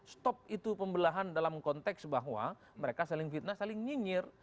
stop itu pembelahan dalam konteks bahwa mereka saling fitnah saling nyinyir